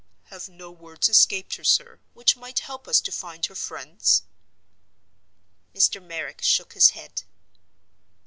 "Have no words escaped her, sir, which might help us to find her friends?" Mr. Merrick shook his head.